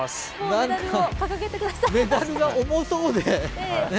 メダルが重そうで。